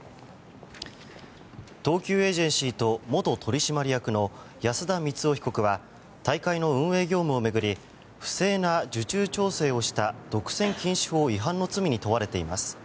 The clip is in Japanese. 東急エージェンシーと元取締役の安田光夫被告は大会の運営業務を巡り不正な受注調整をした独占禁止法違反の罪に問われています。